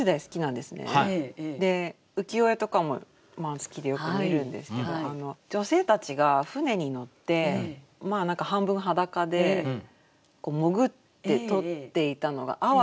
で浮世絵とかも好きでよく見るんですけど女性たちが舟に乗って何か半分裸で潜って取っていたのがあわびだったような気がするんですよ。